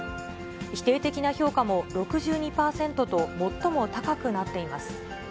否定的な評価も６２％と、最も高くなっています。